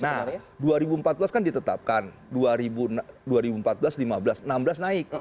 nah dua ribu empat belas kan ditetapkan dua ribu empat belas lima belas enam belas naik